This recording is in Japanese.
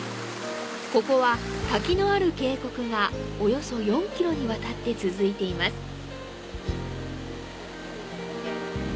ここは滝のある渓谷が約４ｋｍにわたって続いています。